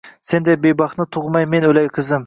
Senday bebaxtni tug‘may men o‘lay, qizim